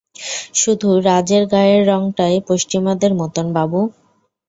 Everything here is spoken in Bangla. শুধু রাজ- এর গায়ের রংটায় পশ্চিমাদের মতোন, বাবু।